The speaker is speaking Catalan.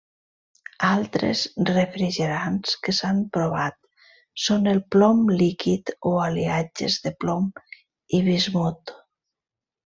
Altres refrigerants que s'han provat són el plom líquid o aliatges de plom i bismut.